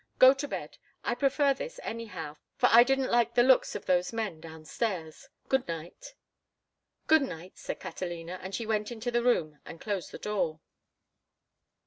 "Go to bed. I prefer this, anyhow, for I didn't like the looks of those men down stairs. Good night." "Good night," said Catalina, and she went into the room and closed the door.